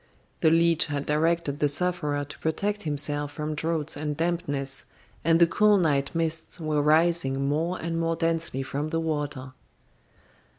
The leech had directed the sufferer to protect himself from draughts and dampness, and the cool night mists were rising more and more densely from the water.